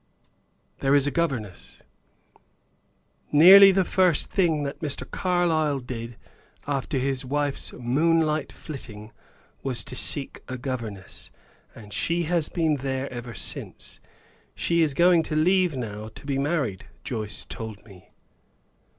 "There is a governess?" "Nearly the first thing that Mr. Carlyle did, after his wife's moonlight flitting, was to seek a governess, and she has been there ever since. She is going to leave now; to be married, Joyce told me."